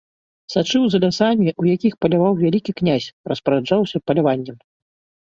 Сачыў за лясамі, у якіх паляваў вялікі князь, распараджаўся паляваннем.